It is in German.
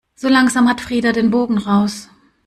So langsam hat Frida den Bogen raus.